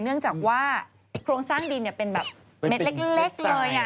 เนื่องจากว่าโครงสร้างดินเป็นแบบเม็ดเล็กเลย